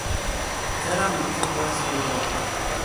Ceramika glazuro.